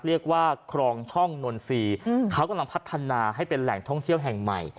เรียกว่าครองช่องนนทรีย์เขากำลังพัฒนาให้เป็นแหล่งท่องเที่ยวแห่งใหม่